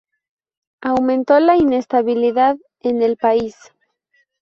Aumentó la inestabilidad en el país.